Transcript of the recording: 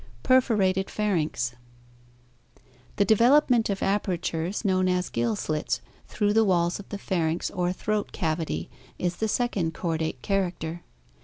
Perforated Pharynx. — The development of apertures known as gill slits through the walls of the pharynx or throat cavity is the second chordate character.